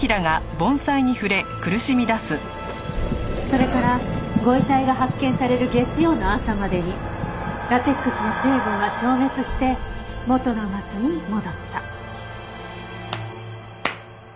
それからご遺体が発見される月曜の朝までにラテックスの成分が消滅して元のマツに戻った。